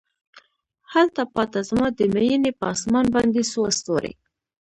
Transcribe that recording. هلته پاته زما د میینې په اسمان باندې څو ستوري